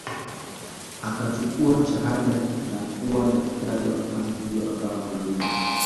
Akachukua shahada na kuwa daktari wa fani hiyo akawa mwalimu